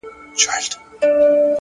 هوښیار انتخاب راتلونکې ستونزې کموي.!